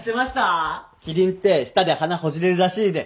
キリンって舌で鼻ほじれるらしいで。